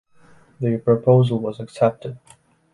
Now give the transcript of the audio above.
The proposal was accepted.